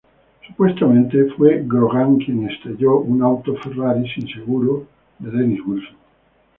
Supuestamente, fue Grogan quien estrelló un auto Ferrari sin seguro de Dennis Wilson.